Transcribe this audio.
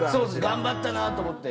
頑張ったなぁと思って。